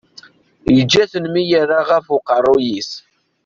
Yeǧǧa-ten mi yerra ɣef uqerruy-is.